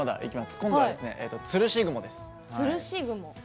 今度は吊るし雲です。